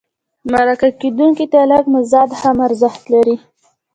مرکه کېدونکي ته لږ مزد هم ارزښت لري.